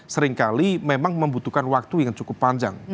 seringkali memang membutuhkan waktu yang cukup panjang